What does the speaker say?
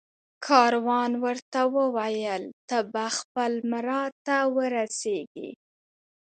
کاروان ورته وویل ته به خپل مراد ته ورسېږې